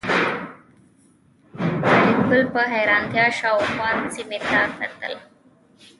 فریدګل په حیرانتیا شاوخوا سیمې ته کتل